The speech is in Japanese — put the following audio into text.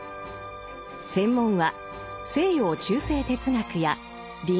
専門は西洋中世哲学や倫理学。